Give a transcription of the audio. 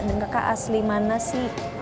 dan kakak asli mana sih